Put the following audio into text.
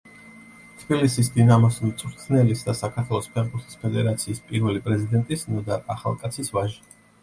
თბილისის დინამოს მწვრთნელის და საქართველოს ფეხბურთის ფედერაციის პირველი პრეზიდენტის ნოდარ ახალკაცის ვაჟი.